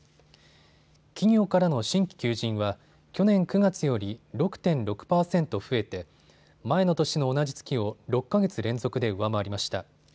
企業からの新規求人は去年９月より６．６％増えて前の年の同じ月を６か月連続で上回りました。